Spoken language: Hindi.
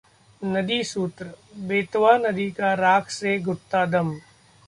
नदीसूत्रः बेतवा नदी का राख से घुटता दम